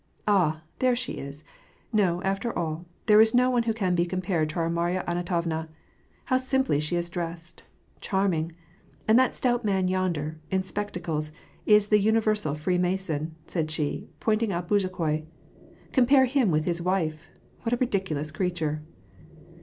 Ah ! and there she is ! No, after all, there is no one who can be compared to our Marya Anton ovna. And how simply she is dressed ! Charming !— And that stout man yonder, in spectacles, is the universal Freemason," said she, pointing out Bezukhoi. ^^ Compare him with his wife ! what a ridiculous creature